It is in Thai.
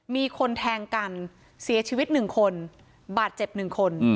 มีคนแทงกันเสียชีวิต๑คนบาดเจ็บ๑คน